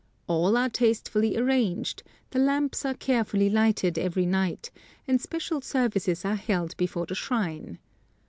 All are tastefully arranged, the lamps are carefully lighted every night, and special services are held before the shrine.